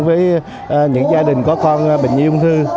với những gia đình có con bệnh ung thư